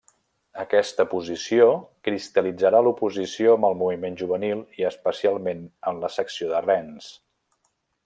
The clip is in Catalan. Aquesta posició cristal·litzarà l'oposició amb el moviment juvenil i especialment amb la secció de Rennes.